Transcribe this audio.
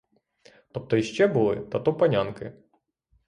Тобто й ще були, та то панянки.